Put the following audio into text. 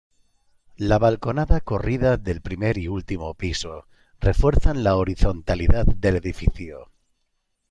La balconada corrida del primer y último piso refuerzan la horizontalidad del edificio.